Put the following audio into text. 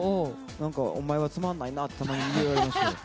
お前はつまんないなってたまに言われますけど。